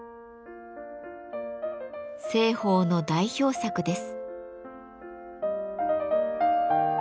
栖鳳の代表作です。